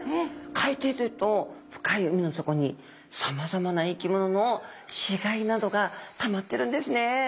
海底というと深い海の底にさまざまな生き物の死骸などがたまってるんですね。